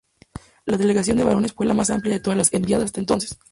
La delegación de varones fue la más amplia de todas las enviadas hasta entonces.